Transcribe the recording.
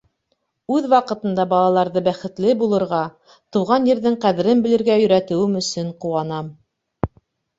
Үҙ ваҡытында балаларҙы бәхетле булырға, тыуған ерҙең ҡәҙерен белергә өйрәтеүем өсөн ҡыуанам.